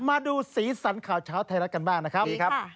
มาดูสีสันข่าวเช้าไทยรัฐกันบ้างนะครับสวัสดีครับ